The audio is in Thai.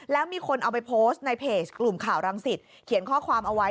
แล้วมีคนเอาไปโพสต์ในเพจกลุ่มข่าวรังสิตเขียนข้อความเอาไว้